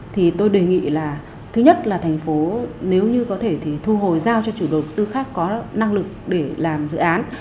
thì tôi đề nghị là thứ nhất là thành phố nếu như có thể thì thu hồi giao cho chủ đầu tư khác có năng lực để làm dự án